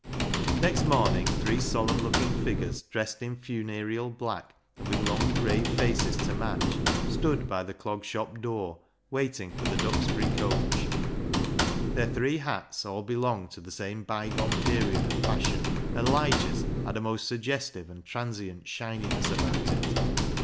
Next morning three solemn looking figures, dressed in funereal black, and with long grave faces to match, stood by the Clog Shop door waiting for the Duxbury coach. Their three hats all belonged to the same bygone period of fashion, and Lige's had a most suggestive and transient shininess about it.